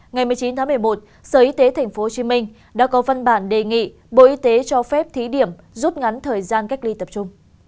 ngày một mươi chín tháng một mươi một sở y tế tp hcm đã có văn bản đề nghị bộ y tế cho phép thí điểm rút ngắn thời gian cách ly tập trung